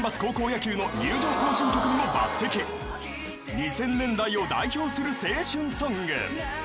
［２０００年代を代表する青春ソング］